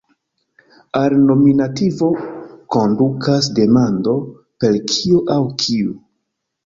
Al nominativo kondukas demando per "kio" aŭ "kiu".